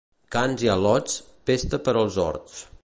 Cans i al·lots, pesta per als horts.